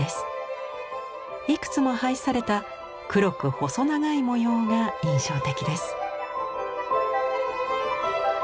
いくつも配された黒く細長い模様が印象的です。